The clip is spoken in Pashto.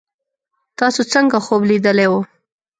تاسو څنګه خوب لیدلی وو